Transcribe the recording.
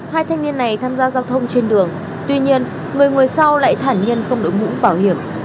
hai thanh niên này tham gia giao thông trên đường tuy nhiên người người sau lại thả nhân không đổi mũ bảo hiểm